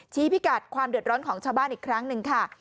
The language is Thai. พิกัดความเดือดร้อนของชาวบ้านอีกครั้งหนึ่งค่ะ